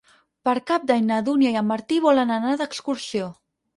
Per Cap d'Any na Dúnia i en Martí volen anar d'excursió.